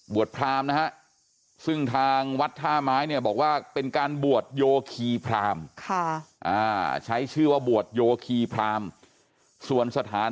บวชพรามนะฮะซึ่งทางวัดท่าไม้เนี่ยบอกว่า